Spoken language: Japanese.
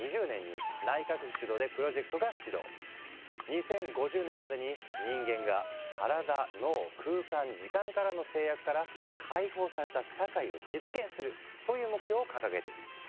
日本でも２０２０年に２０５０年までに人間が身体脳空間時間からの制約から解放された社会を実現するという目標を掲げている。